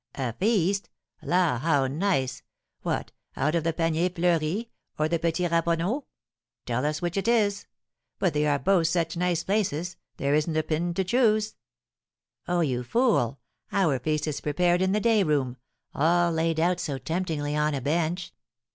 "A feast? La, how nice! What, out of the Panier Fleuri, or the Petit Ramponneau? tell us which it is! But they are both such nice places, there isn't a pin to choose." "Oh, you fool! Our feast is prepared in the day room; all laid out so temptingly on a bench.